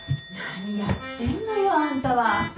何やってんのよあんたは。